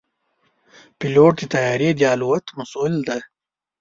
پيلوټ د طیارې د الوت مسؤل دی.